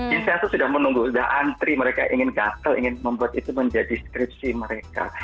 vincenzo sudah menunggu sudah antri mereka ingin gantel ingin membuat itu menjadi skripsi mereka